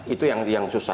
itu yang susah